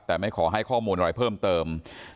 แต่ไม่ขอให้ข้อมูลอะไรเพิ่มเติม